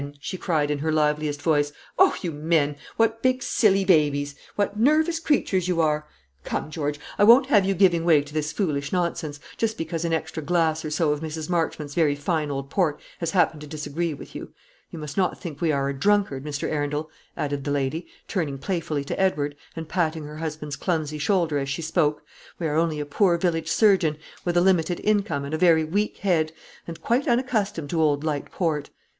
she cried, in her liveliest voice; "oh, you men! What big silly babies, what nervous creatures you are! Come, George, I won't have you giving way to this foolish nonsense, just because an extra glass or so of Mrs. Marchmont's very fine old port has happened to disagree with you. You must not think we are a drunkard, Mr. Arundel," added the lady, turning playfully to Edward, and patting her husband's clumsy shoulder as she spoke; "we are only a poor village surgeon, with a limited income, and a very weak head, and quite unaccustomed to old light port.